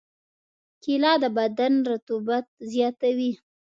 کېله د بدن رطوبت زیاتوي.